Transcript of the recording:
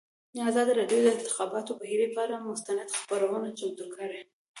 ازادي راډیو د د انتخاباتو بهیر پر اړه مستند خپرونه چمتو کړې.